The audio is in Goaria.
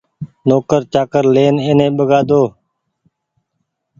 نوڪر چآڪر لين ايني ٻگآۮو ني